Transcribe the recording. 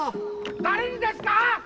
誰にですか？